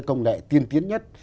cái công nghệ tiên tiến nhất